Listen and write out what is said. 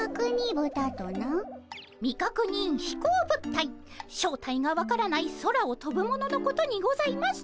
未確認飛行物体正体が分からない空をとぶもののことにございます。